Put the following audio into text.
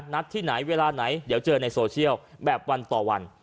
นัดที่ไหนเวลาไหนเดี๋ยวเจอในโซเชียลแบบวันต่อวัน